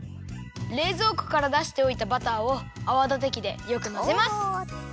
れいぞうこからだしておいたバターをあわだてきでよくまぜます。